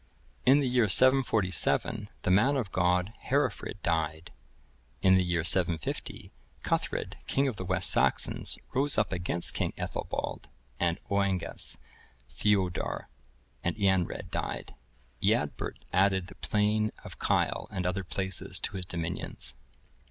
In the year 747, the man of God, Herefrid,(1072) died. In the year 750, Cuthred, king of the West Saxons, rose up against king Ethelbald and Oengus; Theudor and Eanred died; Eadbert added the plain of Kyle and other places to his dominions.